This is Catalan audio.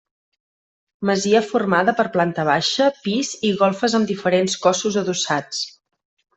Masia formada per planta baixa, pis i golfes amb diferents cossos adossats.